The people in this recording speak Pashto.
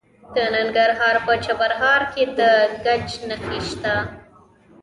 د ننګرهار په چپرهار کې د ګچ نښې شته.